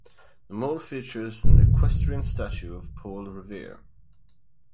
The mall features an equestrian statue of Paul Revere.